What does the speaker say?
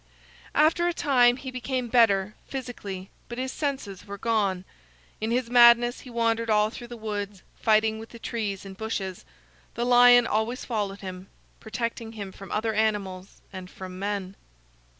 After a time he became better, physically, but his senses were gone. In his madness he wandered all through the woods, fighting with the trees and bushes. The lion always followed him, protecting him from other animals and from men.